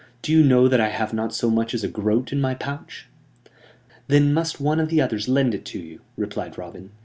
Do you know that I have not so much as a groat in my pouch?" "Then must one of the others lend it to you," replied Robin.